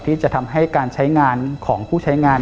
ที่จะทำให้การใช้งานของผู้ใช้งาน